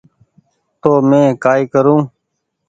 تونٚ مينٚ ڪآئي ڪرون